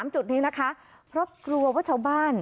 จุดนี้นะคะเพราะกลัวว่าชาวบ้าน